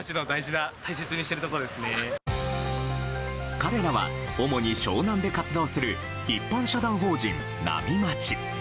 彼らは主に湘南で活動する一般社団法人ＮＡＭＩＭＡＴＩ。